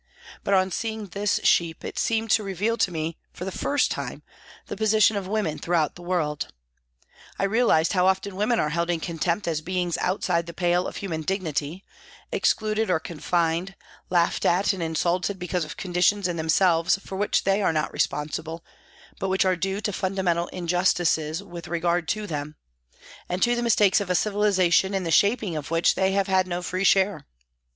But on seeing this sheep it seemed to reveal to me for the first time the position of women throughout the world. I realised how often women are held in contempt as beings outside the pale of human dignity, excluded or confined, laughed at and insulted because of conditions in themselves for which they are not responsible, but which are due to fundamental injustices with regard to them, and to the mistakes of a civilisation in the shaping of which they have had no free share.